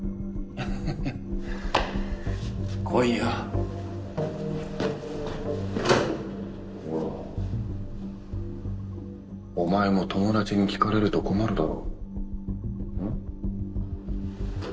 ガチャほお前も友達に聞かれると困るだろ？